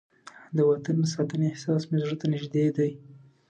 د وطن د ساتنې احساس مې زړه ته نږدې دی.